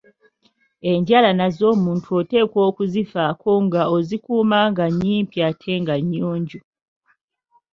Enjala nazo omuntu oteekwa okuzifaako nga ozikuuma nga nnyimpi ate nga nnyonjo.